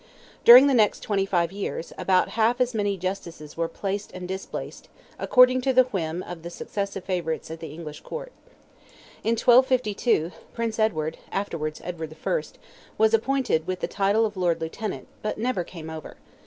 During the next twenty five years, about half as many Justices were placed and displaced, according to the whim of the successive favourites at the English Court. In 1252, Prince Edward, afterwards Edward I., was appointed with the title of Lord Lieutenant, but never came over.